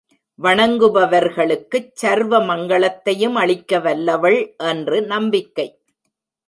வணங்குபவர்களுக்குச் சர்வ மங்களத்தையும் அளிக்க வல்லவள் என்று நம்பிக்கை.